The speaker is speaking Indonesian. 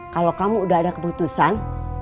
kalau kamu udah ada keputusan